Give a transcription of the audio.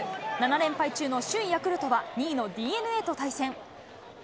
７連敗中の首位ヤクルトは、２位のＤｅＮＡと対戦。